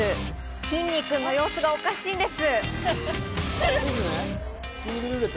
きんに君の様子がおかしいんです。